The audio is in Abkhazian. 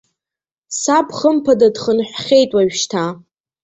Саб хымԥада дхынҳәхьеит уажәшьҭа.